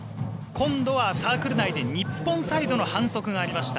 今度はサークル内で日本サイドの反則がありました。